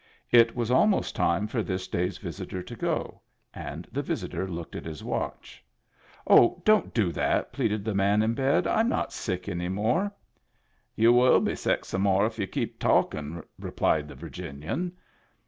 It was almost time for this day's visitor to go, and the visitor looked at his watch. " Oh, don't do that I " pleaded the man in bed. " I'm not sick any more." " You will be sick some more if you keep talk ing," replied the Virginian.